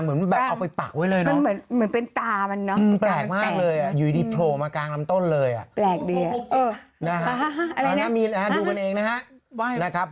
อูยเข้ามากลางเหมือนเอาไปปักไว้เลยเนอะ